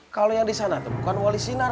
kalo yang disanain bukan wali sinar